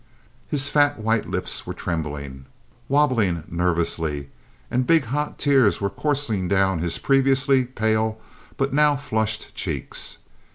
His fat, white lips were trembling—wabbling nervously—and big hot tears were coursing down his previously pale but now flushed cheeks.